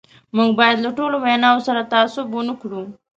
موږ باید له ټولو ویناوو سره تعصب ونه کړو.